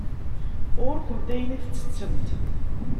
Ɣur-kent ayen i ttettemt.